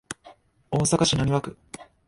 大阪市浪速区